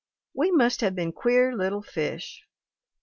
We must have been queer little fish.